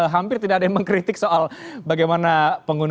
hampir tidak ada yang mengkritik soal bagaimana penggunaan